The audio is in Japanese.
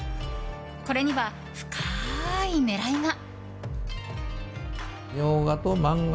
これには、深い狙いが。